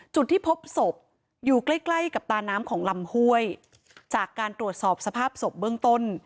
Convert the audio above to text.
จุดที่พบศพอยู่ใกล้ใกล้กับตาน้ำของลำห้วยจากการตรวจสอบสภาพศพเบื้องต้น